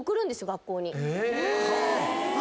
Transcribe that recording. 学校に。